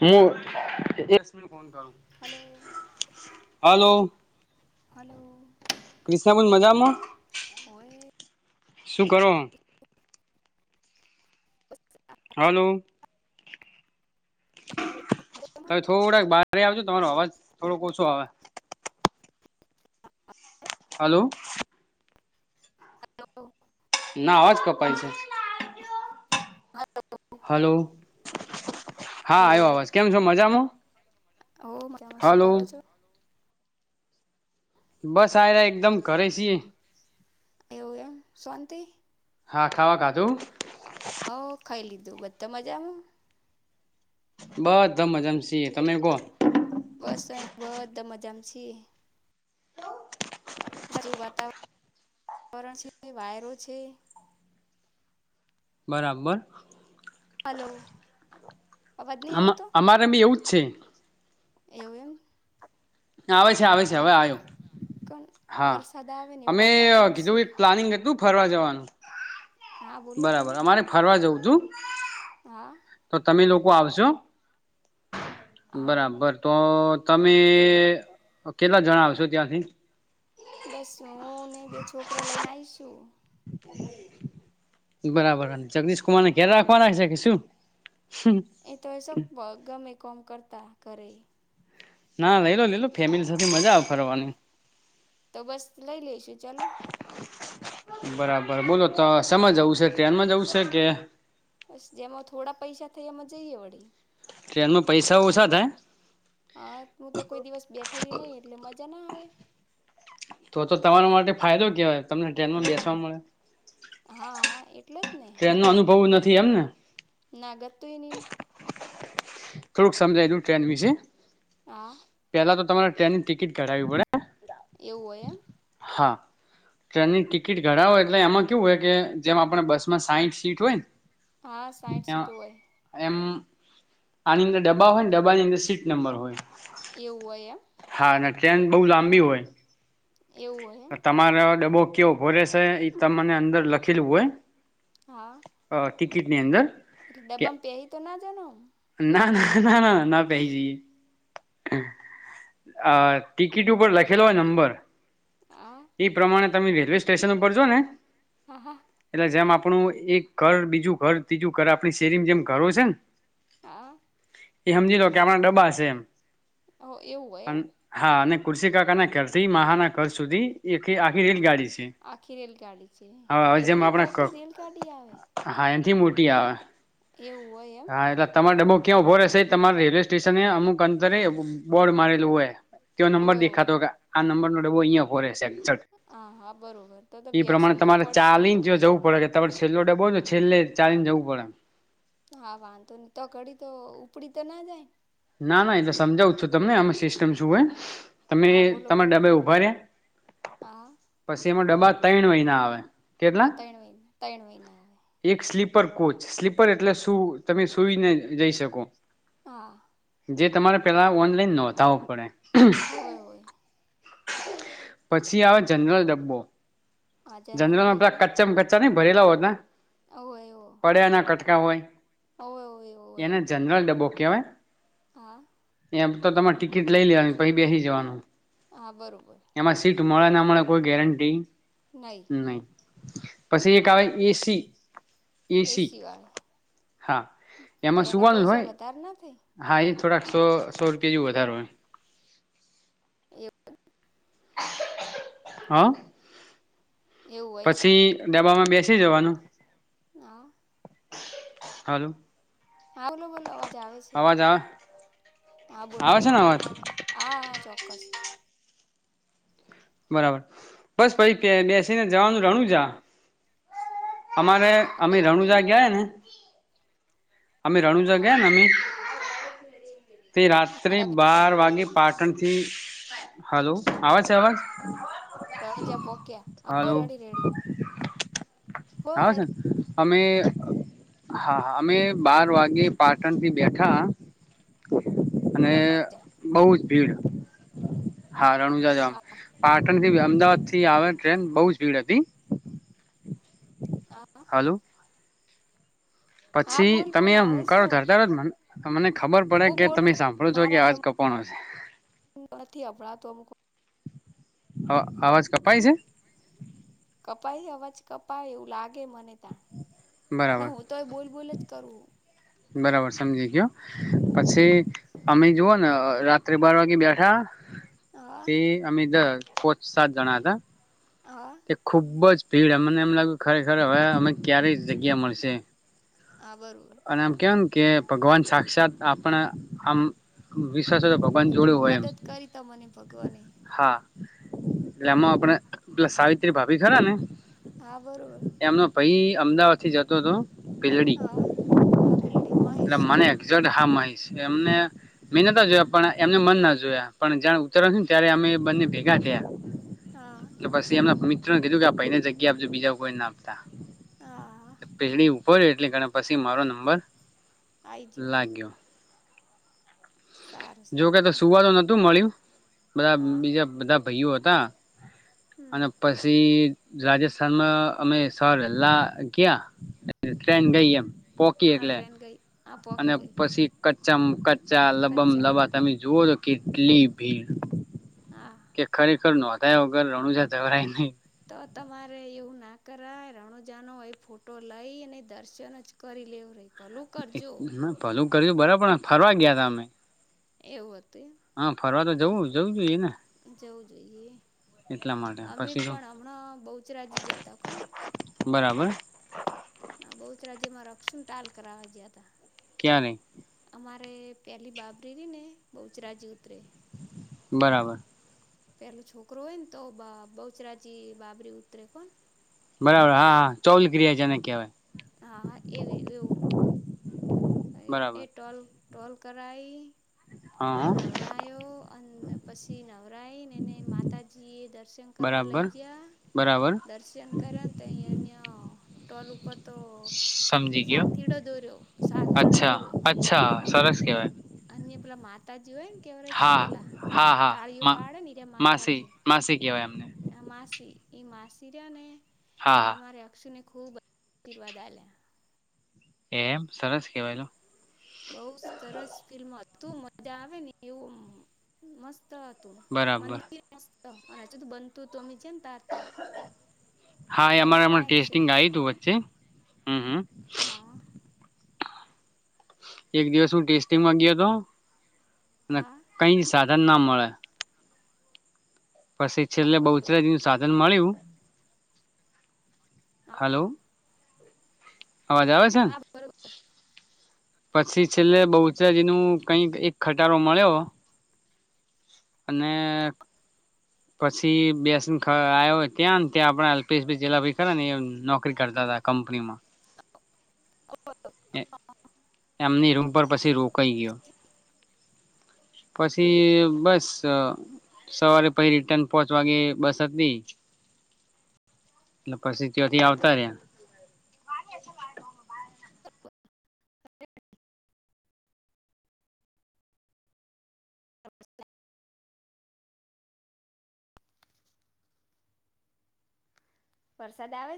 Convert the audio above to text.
હું, એક એક સેકન્ડ માં ફોન કરું. Hello hello. હલો. ક્રિષ્ણબેન મજામાં, ઓય શું કરો હો? હલો. ખાલી થોડાક બારે આવજો તમારો અવાજ થોડોક ઓછો આવે. હલો. હલો. ના આવાજ કપાય છે. હલો. હલો હા, આયો આવાજ, કેમ છો મજામાં? હઓ મજા માં, શું હલો કરો છો? બસ આયરા એકદમ ઘરે છીએ. એવું એમ શોંતી. હા ખાવા ખાધું. હવ ખાઈ લીધું, બધા મજામાં? બધામજમ છી તમે, કોહ બસ, અ બધા મજામાં છે. જેુ વાતાવરણ છે, વાયરો છે બરાબર હલો અવાજ નહી અમારે બી એવું જ છે. એવમ આવે છે, આવે છે, હવે આવ્યો હા વરસાદ આવે એવું અમે વાતાવરણ છે. કીધું એક પ્લાનિંગ હતું ફરવા જવાનું હા બોલો બોલો બરાબર અમારે ફરવા જઉં છું હા તો તમે લોકો આવશ હા બરાબર તો તો, તમે કેટલા જણા આવશો ત્યાંથી બસ હું ને બે છોકરા લઈને આઈશુ બરાબર જગદીશ કુમાર ને, ક્યારે રાખવા નાખ છે, કે શું એ તો સ ગમે કોમ કરતા ઘરે ના લઈ લો લઈલો ફેમિલી સાથે મજા આવે ફરવાની તો, બસ લઈ લઈશુ ચાલો બરાબર બોલો તો સમય જવું છે ટ્રેનમાં જવું છે કે બસ જેમાં થોડા પૈસા થઈ એમાં જઈએ વળી ટ્રેન માં પૈસા ઓછા થાય હા, હું તો કોઈ દિવસ બેઠેલી નહી એટલે મજા ના આવે તો, તો તમારા માટે ફાયદો કેવાય તમને ટ્રેનમાં બેસવા મળે હા, એટલે જ ને થયમને ના ગત નીમ થોડુંક સમજાય દું ટ્રેન વિશે હા પેલા તો, તમારે ટ્રેનની ટિકિટ કઢાવવી પડે એવું હોય એમ? હા. ટ્રેનની ટિકિટ ઘડાવોય એટલે એમાં કેવુ, હોય કે જેમ આપણે બસ માં સાહીઠ સીટ હોયને. હા, સાઠ સીટો હોય. આની અંદર ડબ્બા હોય, ને ડબ્બા ની અંદર સીટ નંબર હોય એવું હોય, એમ હા ટ્રેન બહ લાંબી હોય, એવું હોય એમ તમારો ડબો કેવો ભોરે છે, તમાને અંદર લખેલું હોય હા ટિકિટની અંદર એ કે દબમ પેહી તો ના જનો ના, ના, ના, ના, ના પ જએ આ ટિકિટ ઉપર લખેલો હોય નંબર હા ઈ પ્રમાણે તમે રેલવે સ્ટેશન ઉપર જ ને, હા હા એટલે જેમ આપ આપણું એક ઘર બીજું ઘર ત્રીજું ઘર આપણી શેરી જેમ ઘરો છે, ને હા એ, હમજી લો કે આપમણાં ડબ્બા હશે એમ હ એવું હોય એમ કુરશ કાકા ના કરથી મહાના ઘ સુધી એક આખી રેલ ગાડી છે. આખી રેલગાડી છે હવે હવે જેમ એવડી મોટી રેલગાડી આવે થી મોટી આવે એવું હોય એમ તમારે ડબ્બો ક્યાં ઉઊભો રહેશે, તમારે રેલવે સ્ટેશન અમુક અંતરે બોર્ડ મારેલું હોય. તે નંબર હોય હોય દેખાતો, કે આ નંબર નો ડબ્બો અહંયા ઊભો રહેશે એક્ઝેટ હ, હા બરોબર તો તો બેસવું તો પડશે કોણ તમા છેલ્લો ડબો ને છેલ્લે ચાલી ને જવું પડે હા, વાંધો નહી. તો ઘડી તો ઉપડી તો ના જાય ના ના એટલે સમજાવું છો, તમને આમાં સિસ્ટમ શું હોય તમે હા બોલો તમારા બોલો ડબ્બે ઉભા ર હા પછી, એમાં ડબ્બા તૈણ વય ના આવે કેટલા હા, તૈણ વય તૈણ વય ના આવે સ્પર કોચ સ્લીપર, એટલે શું તમે સુઈને જઈ શકો હા જે તમારે, પેલા ઓનલાઈન નોતાવો પડે હોય હોય પછી, આવે જનરલ ડબ્બો હા જનરલ જંગલમા, પેલા કચ્ચા કચ્ચા ન ભરેલા હોત ને ઓ હો પડ્યાના કટકા હોય, એને જનરલ ડબ્બો કેવાય હા એ તો તમારે ટિકિટ લઈ લેવાની પછી, બેસી જવાનું હા, બરોબર એમાં સીટ મળે ના, મળે કોઈ ગેરંટી નહીં નહી, પછી એક આવે એસી એસી હા વાળી, એમાં તો એના સુવાનું હોય પૈસા વધારે ના થાય હા એ થોડાક, સો સો રૂપિયા જે વધારો હોય એવું હા એવું એવું હોય એમ પછી, ડબ્બામાં બેસી જવાનું હા હાલો હા, બોલો બોલો અવાજ આવે છે અવાજ આવે હા, બોલો આવે છે ને અવાજ હા, હા ચોક્કસ બરાબર બસ પછ બેસીને જવાનું રણું જા અમારે અમે એવું હોય એમ રણુજા ગયાએ ને અમે રણુ જ હા ગયાનેમ તે હા રાત્રે તમે બાર તમે વાગે પાટણથી હલો આવે છે અવાજ રણુજા જ પોક્યા હલો રેડી રેડી હો આવે છે રેડી અમે હાા, અમે બાર વાગે પાટણ થી બેઠા અને, રણજા બઉ જ ભીડ હા, રણુજા જામ હા પાટણ થી અમદાવાદ થી આવે ટ્રેન બહ ભીડ, હતી હા હાલો હા પછી, બોલ તમે બોલ આ આવે છે હકારો અવાજ ધરતાોજ મ મને ખબર પડે હું કે તમે બોલું સાંભળો પણ છો. મારા જ કે કોણ છે નથી, સંભાળતો આ અવાજ, કપાય છે કપાઈ અવાજ, કપાય એવું લાગે મને ત્યાં ના બરાબર હુ, તોય બોલ બોલ જ કરું બરાબર સમજી ગયો. હા પછી અમે જોુઓ ને રાત્રે બાર વાગે બેઠા, હા તે અમે કોચ સાત જણા હતા હા તે ખુબજ ભીડ મને એમ લાગ્યુ, ખરેખર હવે અમે ક્યારે જગ્યા મળશે હ, બર અને આમ કેવાયમ, કે ભગવાન સાક્ષાત આપણે આમ વિશ્વાસ તો ભગવાન મદ- જોડું હોય એમ મદદ કરી તા મને ભગવાને હા એટલે એમાં આપણે પેલા સાવિત્રી ભાભી ખરા ને હા બરોબર પઈ અમદાવાદથી જતો હતો પેલડી હા હા ભીલડી એટલે મહેશ મને એક્જેક્ટ હા માં એમને મે નતા જોયા પણ એમને મન ના જોયા પણ જ્યા ઉતરવાનું હતું ને ત્યારે અમે બંને ભેગા થયા હા એલે પછી અમે ભૂમિક કીધું કે આ પને જગ્યા આપજ બીજા કોઈ ના આપતા હા પસડી ઉપર એટલે કન પછી મારો નંબર આઈ ગયો લાગ્યો સારું જોકે સારું તો લ્યો સુવા તો નતું મળ્યું બધા હા બીજા બધા ભઈઓ હતા હમ અને પછી રાજસ્થાનમાં અમે સવાર વેલ્લા ગયા. ટ્રેન હા ગઈ એમ પોકી આ એટલે ટ્રેન ગઈ આ અને પહોંકી ગઈ પછી કચ્ચા કચ ચચા લબમ કચ્છા લબા તમે જુઓ તો કેટલી ભીડ હા કે ખરેખર કે નોંધાયા વગર રણુજા જવાય ની તો તમારે એવું ના કરાય રણુજાનો એ ફોટો લઈને દર્શન જ કરી લેવરે પલું કર્યું બરોબર ફરવા ગયા તા અમે એવું હતું ઈ હા ફરવા તો જવું જવું જોઈ એને જવું જોઈએ. માટે અમે પછી તો પણ હમણાં બહુચરાજી જ્યા તા કોણ બરાબર. ના બહુ જ રાજ્યમાં રક્ષણ ટાલ કરવા ગયા હતા ક્યાં નહી મારે પેલી બાબરી રઈને બહુચરાજી ઉતરે બરાબર. પેલું છોકરો હોય ને તો બ બહુચરાજી બાબરી ઉતરે કોણ બરાબર હા હા ચોલ ક્રિયા જે ને કહેવાય હા એવી એવું એ બરાબર. ટોલ ટોલ કરાઈ હા હા નવરાયો અને પસી નવરાઈને ને માતાજી એ દર્શન કરવા લઈ બરાબર ઇસગ્યા બરાબર દર્શન કર્યા તૈ અહીયા ટોલ ઉપરથી સમજી ગયો. દોર્યો સાથીડો અચ્છા, અચ્છા સરસ કેવાય. અન્ય હા હા હા તાળીઓ મા પાડે માસી માસી કહેવાય એમને આ માસી એ માસી રહ્યા હા ને હા અમારે અક્ષુને ખૂબ આશીર્વાદ આલ્યા એમ સરસ કેવાયલો બઉ સરસ ફિલ્મ હતું મજા આવે ને એવું મસ્ત સ્ત હતું બરાબર મંદિર મસ્ત અને હજું બનતું હતું અમે જ્યાને તાર તો હા એ ફરવા અમારે લાયક છે ટેસ્ટિંગ આયુ તું વચ્ચે હમ હમ હા એક દિવસ હું ટેસ્ટિંગમાં ગ્યો તો અને હા કઈ સાધન ના મળે પછી હા છેલ્લે બરોબર બઉચરાજીનું સાધન મળ્યું હલો. અવાજ આવે છે હા બરોબર પછી છેલ્લે બહુચરાજી નું કઈક એક ખટારો મળ્યો અને પછી બેસીને આવ્યો ત્યાં ને ત્યાં આપે અલ્પેશભાઈ જલાભઈ ખરા ને નોકરી કર દાદા કંપનીમાં ઓ અ એ એમની રૂમ પર પછી રોકાઈ ગયો. પછી અહ બસ તો સવારે પહિ રિટર્ન પોહચ વાગે બસ હતી એટલે પછી ત્યાં થી આવતા રયા. વરસાદ આવે